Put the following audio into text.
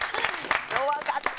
弱かった。